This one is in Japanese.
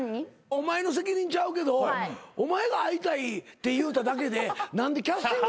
お前の責任ちゃうけどお前が会いたいって言うただけで何でキャスティングされんの？